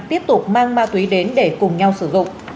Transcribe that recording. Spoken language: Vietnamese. tiếp tục mang ma túy đến để cùng nhau sử dụng